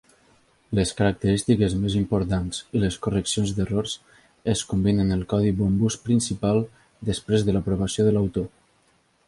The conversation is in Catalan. Les característiques més importants i les correccions d'errors es combinen en el codi Bombus principal després de l'aprovació de l'autor.